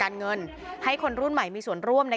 คุณวราวุฒิศิลปะอาชาหัวหน้าภักดิ์ชาติไทยพัฒนา